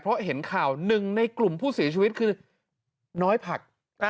เพราะเห็นข่าวหนึ่งในกลุ่มผู้เสียชีวิตคือน้อยผัก